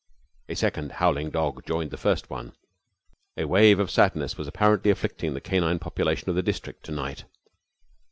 A second howling dog joined the first one. A wave of sadness was apparently afflicting the canine population of the district to night.